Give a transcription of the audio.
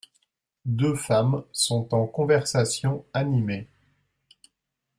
Deux femmes sont en conversation animée.